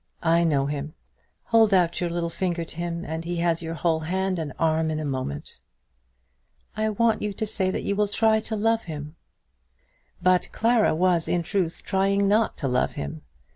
I know him. Hold out your little finger to him, and he has your whole hand and arm in a moment." "I want you to say that you will try to love him." But Clara was in truth trying not to love him.